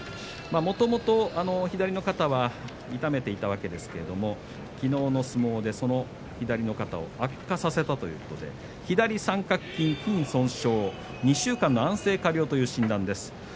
もともと左の肩は痛めていたわけですけれどもきのうの相撲で、その左の肩を悪化させたということで左三角筋筋損傷２週間の安静加療という診断です。